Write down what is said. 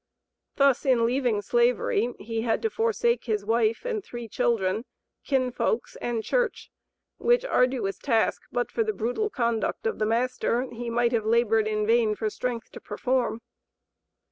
Thus in leaving slavery he had to forsake his wife and three children, kinfolks and church, which arduous task but for the brutal conduct of the master he might have labored in vain for strength to perform.